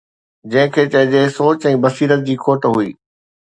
جنهن کي چئجي سوچ ۽ بصيرت جي کوٽ هئي.